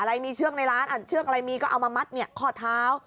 อะไรมีเชือกในร้านเชือกอะไรมีก็เอามามัดข้อเท้า